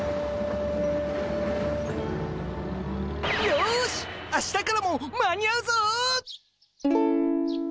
よし明日からも間に合うぞ！